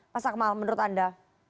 mas akmal menurut anda